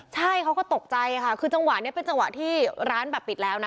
ใช่เขาก็ตกใจค่ะคือจังหวะนี้เป็นจังหวะที่ร้านแบบปิดแล้วนะ